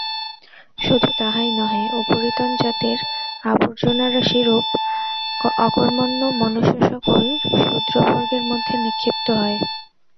শুধু তাহাই নহে, উপরিতন জাতির আবর্জনারাশিরূপ অকর্মণ্য মনুষ্যসকল শূদ্রবর্গের মধ্যে নিক্ষিপ্ত হয়।